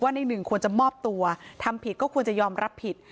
ในหนึ่งควรจะมอบตัวทำผิดก็ควรจะยอมรับผิด